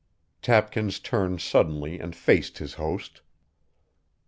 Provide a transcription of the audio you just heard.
Tapkins turned suddenly and faced his host.